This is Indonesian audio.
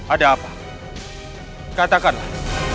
ada apa katakanlah